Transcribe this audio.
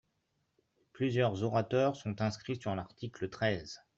Plusieurs orateurs sont inscrits sur l’article treize.